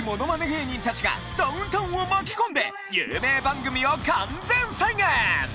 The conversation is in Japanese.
芸人たちがダウンタウンを巻き込んで有名番組を完全再現！